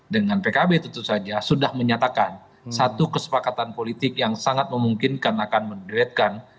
dengan pkb tentu saja sudah menyatakan satu kesepakatan politik yang sangat memungkinkan akan menderetkan